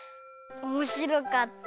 おもしろかった。